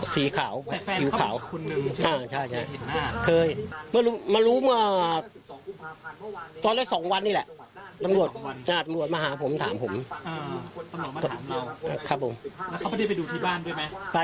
ใกล้ตำรวจเข้าไปก็เลยรู้ความคิดหน้าว่าตำรวจมาตามแล้วอัอใช่